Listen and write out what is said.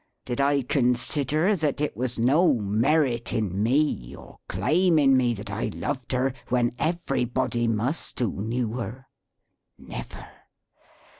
Did I consider that it was no merit in me, or claim in me, that I loved her, when everybody must who knew her? Never.